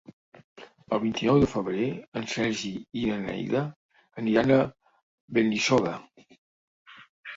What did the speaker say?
El vint-i-nou de febrer en Sergi i na Neida aniran a Benissoda.